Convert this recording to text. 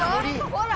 ほら！